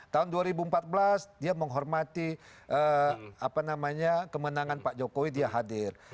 tahun dua ribu empat belas dia menghormati kemenangan pak jokowi dia hadir